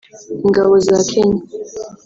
ingabo za Kenya